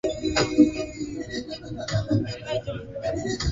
Bana mupika kapata kwa mwarimu